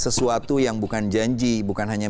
sesuatu yang bukan janji bukan hanya